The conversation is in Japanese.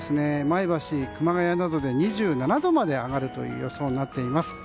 前橋、熊谷などで２７度まで上がるという予想になっています。